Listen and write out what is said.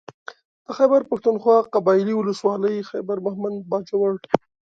د خېبر پښتونخوا قبايلي ولسوالۍ خېبر مهمند باجوړ